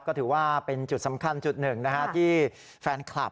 ก็ถือว่าเป็นจุดสำคัญจุดหนึ่งที่แฟนคลับ